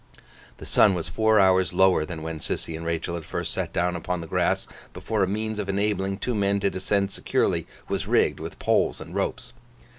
The sun was four hours lower than when Sissy and Rachael had first sat down upon the grass, before a means of enabling two men to descend securely was rigged with poles and ropes.